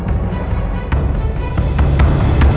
aku mau berbicara sama dia